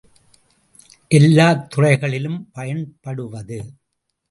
எல்லாத் துறைகளிலும் பயன்படுவது.